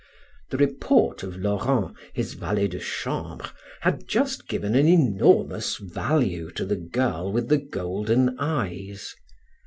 The report of Laurent, his valet de chambre had just given an enormous value to the girl with the golden eyes.